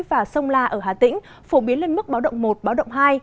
và sông la ở hà tĩnh phổ biến lên mức báo động một báo động hai